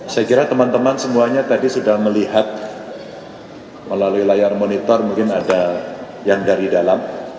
saya kira teman teman semuanya tadi sudah melihat melalui layar monitor mungkin ada yang dari dalam